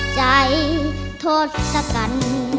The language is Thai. ใจโทษกัน